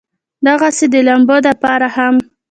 دغسې د لامبلو د پاره هم